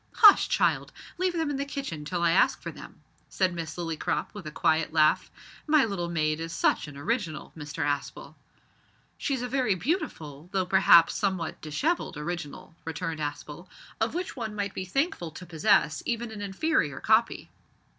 "Hush, child; leave them in the kitchen till I ask for them," said Miss Lillycrop with a quiet laugh. "My little maid is such an original, Mr Aspel." "She's a very beautiful, though perhaps somewhat dishevelled, original," returned Aspel, "of which one might be thankful to possess even an inferior copy."